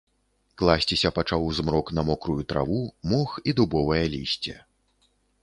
Класціся пачаў змрок на мокрую траву, мох і дубовае лісце.